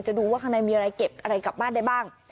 ดูว่าข้างในมีอะไรเก็บอะไรกลับบ้านได้บ้าง